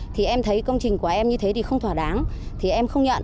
thì em thấy công trình của em như thế thì không thỏa đáng thì em không nhận